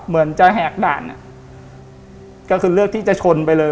เหมือนจะแหกด่านอ่ะก็คือเลือกที่จะชนไปเลย